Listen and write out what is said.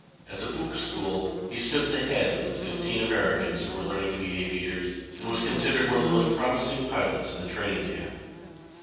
At the Buc school he stood at the head of the fifteen Americans who were learning to be aviators, and was considered one of the most promising pilots in the training camp.